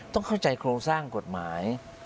ต้องเข้าใจโครงสร้างกฎหมาย